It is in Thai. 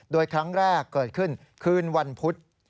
โดยครั้งแรกเกิดขึ้นคืนวันพุธ